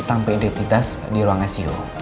tanpa identitas di ruang icu